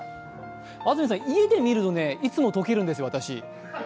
安住さん、家で見ると、いつも解けるんですよ、私。